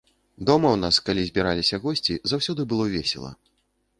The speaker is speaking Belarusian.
Дома ў нас, калі збіраліся госці, заўсёды было весела.